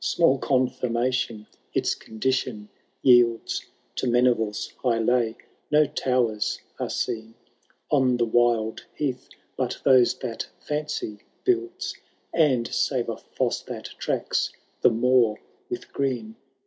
Small confirmation its condition yields To Meneyille^ high lay,— No towers are seen On the wild heath, but those that Fancy builds, And, sare a fosse that tracks the moor with green.